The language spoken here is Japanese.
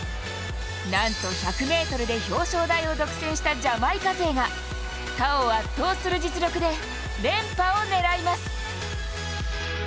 なんと１００ｍで表彰台を独占したジャマイカ勢が他を圧倒する実力で連覇を狙います。